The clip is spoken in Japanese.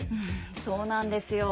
そうなんですよ。